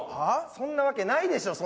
そんなわけないでしょ。